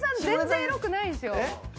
全然エロくないですよ。